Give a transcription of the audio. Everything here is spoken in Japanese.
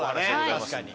確かに。